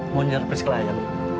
mau nyerep risikolah ya